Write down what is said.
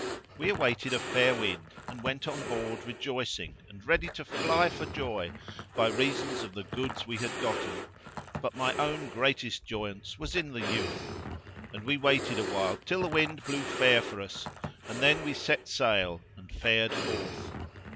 We awaited a fair wind and went on board rejoicing and ready to fly for joy by reason of the goods we had gotten, but my own greatest joyance was in the youth; and we waited awhile till the wind blew fair for us and then we set sail and fared forth.